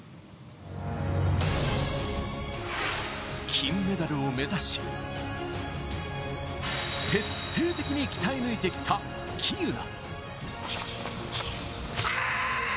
金メダルを目指し、徹底的に鍛え抜いてきた喜友名。